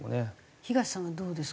東さんはどうですか？